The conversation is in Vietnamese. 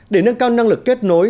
để nâng cao năng lực kết nối